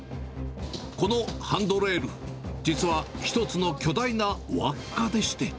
このハンドレール、実は、１つの巨大な輪っかでして。